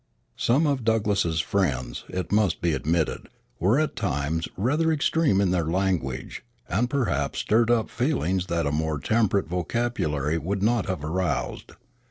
Some of Douglass's friends, it must be admitted, were at times rather extreme in their language, and perhaps stirred up feelings that a more temperate vocabulary would not have aroused.